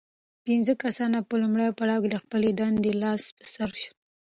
پنځه کسان په لومړي پړاو کې له خپلې دندې لاس په سر شول.